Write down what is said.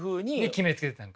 決めつけてたんか。